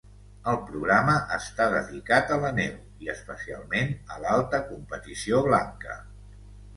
El programa està dedicat a la neu, i especialment, a l'alta competició blanca.